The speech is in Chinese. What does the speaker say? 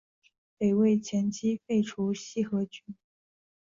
北魏前期废除西河郡。